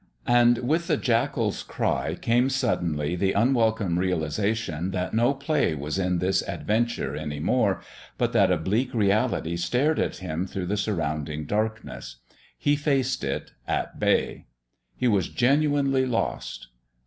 And with the jackals' cry came suddenly the unwelcome realisation that no play was in this adventure any more, but that a bleak reality stared at him through the surrounding darkness. He faced it at bay. He was genuinely lost.